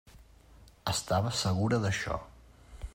Estava segura d'això.